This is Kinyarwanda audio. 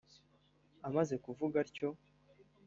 Amaze kuvuga atyo